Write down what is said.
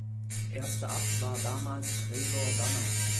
Erster Abt war damals Gregor Danner.